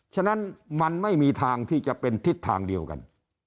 ฉะนั้นมันไม่มีทางที่จะเป็นทิศทางเดียวกัน